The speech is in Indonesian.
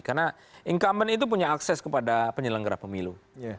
karena incumbent itu punya akses kepada penyelenggara pemilu